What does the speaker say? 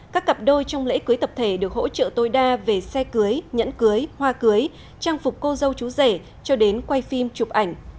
các cặp đôi trong lễ cưới tập thể được hỗ trợ tối đa về xe cưới nhẫn cưới hoa cưới trang phục cô dâu chú rể cho đến quay phim chụp ảnh